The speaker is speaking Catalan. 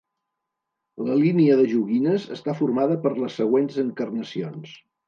La línia de joguines està formada per les següents encarnacions.